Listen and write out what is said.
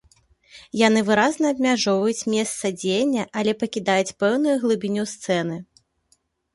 Яны выразна абмяжоўваюць месца дзеяння, але пакідаюць пэўную глыбіню сцэны.